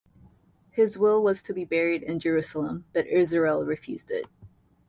His will was to be buried in Jerusalem but Israel refused it.